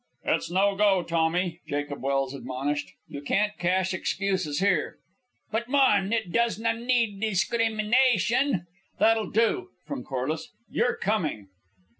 "It's no go, Tommy," Jacob Welse admonished. "You can't cash excuses here." "But, mon! It doesna need discreemeenation " "That'll do!" from Corliss. "You're coming."